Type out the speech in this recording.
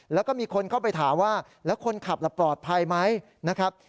แล้วก็มีคนเข้าไปถามว่าแล้วคนขับล่ะปลอดภัยไหมนะครับ